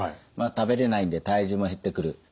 食べれないので体重も減ってくる。